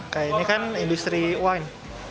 kayak ini kan industri wine